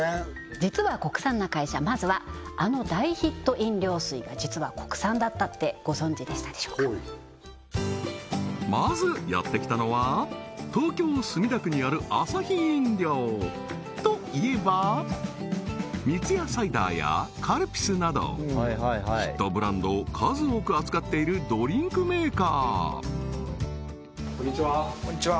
実は国産な会社まずはあの大ヒット飲料水が実は国産だったってご存じでしたでしょうかはいまずやってきたのはといえば三ツ矢サイダーやカルピスなどヒットブランドを数多く扱っているドリンクメーカーこんにちはこんにちは